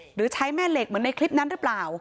หรือใช้แม่เหล็กเหมือนในคลิปนั้นหรือเปล่า